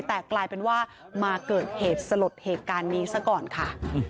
แต่กลายเป็นว่ามาเกิดเหตุสลดเหตุการณ์นี้ซะก่อนค่ะ